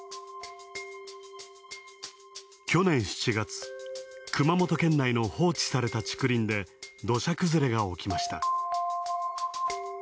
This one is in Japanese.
去年７月、熊本県ないの放置された竹林で土砂崩れが起きました。